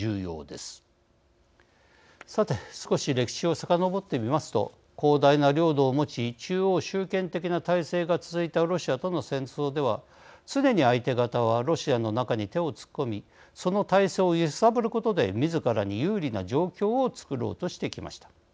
さて少し歴史をさかのぼってみますと広大な領土を持ち中央集権的な体制が続いたロシアとの戦争では常に相手方はロシアの中に手を突っ込みその体制を揺さぶることでみずからに有利な状況を作ろうとしてきました。